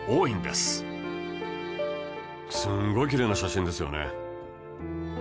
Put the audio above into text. すごいきれいな写真ですよね